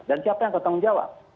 dan siapa yang akan tanggung jawab